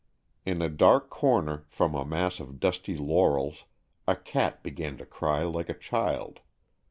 In a dark corner, from a mass of dusty laurels, a cat began to cry like a child.